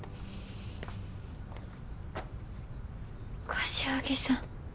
柏木さん。